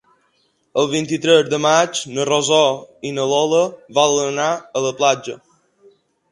El vint-i-tres de maig na Rosó i na Lola volen anar a la platja.